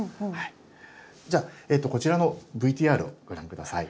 じゃあこちらのＶＴＲをご覧下さい。